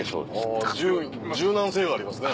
あ柔軟性がありますね。